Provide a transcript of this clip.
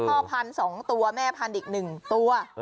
พ่อพันธ์สองตัวแม่พันธ์อีกหนึ่งตัว